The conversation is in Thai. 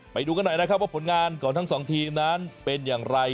ไปดูกันหน่อยนะครับว่าผลงานของทั้งสองทีมนั้นเป็นอย่างไร